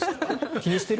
気にしてる？